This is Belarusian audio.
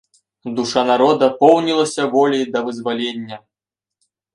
Душа народа поўнілася воляй да вызвалення.